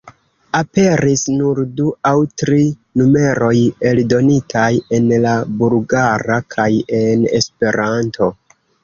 Aperis nur du aŭ tri numeroj eldonitaj en la Bulgara kaj en Esperanto.